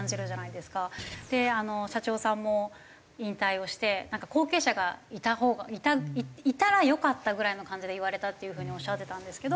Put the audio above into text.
で社長さんも引退をして後継者がいたほうがいたらよかったぐらいの感じで言われたっていう風におっしゃってたんですけど。